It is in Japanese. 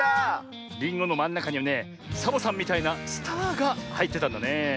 りんごのまんなかにはねサボさんみたいなスターがはいってたんだねえ。